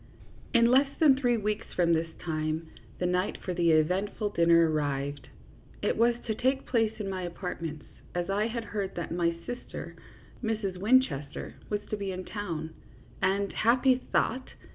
In less than three weeks from this time the night for the eventful dinner arrived. It was to take place in my apartments, as I had heard that my sis ter, Mrs. Winchester, was to be in town, and happy thought